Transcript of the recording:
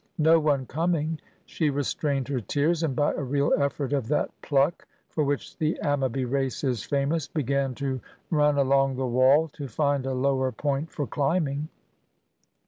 No one coming, she restrained her tears, and by a real effort of that "pluck" for which the Ammaby race is famous began to run along the wall to find a lower point for climbing.